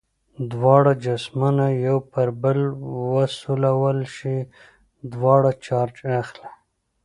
دواړه جسمونه یو پر بل وسولول شي دواړه چارج اخلي.